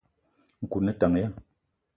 Nkou o ne tank ya ?